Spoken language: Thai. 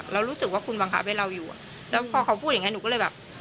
รู้สึกว่าคุณบังคับให้เราอยู่อ่ะแล้วพอเขาพูดอย่างเงี้หนูก็เลยแบบ